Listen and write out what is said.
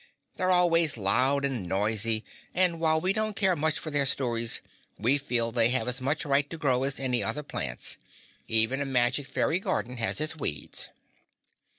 They're always loud and noisy, and while we don't care much for their stories, we feel they have as much right to grow as any other plants. Even a magic fairy garden has its weeds."